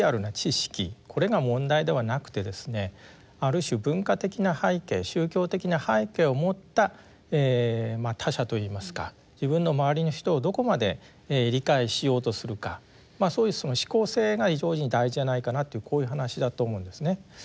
これが問題ではなくてですねある種文化的な背景宗教的な背景を持った他者といいますか自分の周りの人をどこまで理解しようとするかそういう思考性が非常に大事じゃないかなってこういう話だと思うんですね。